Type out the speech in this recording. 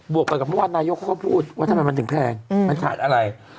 วกไปกับเมื่อวานนายกเขาก็พูดว่าทำไมมันถึงแพงมันขาดอะไร